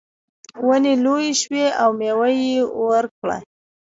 ونې لویې شوې او میوه یې ورکړه.